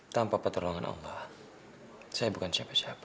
tanpa pertolongan allah saya bukan siapa siapa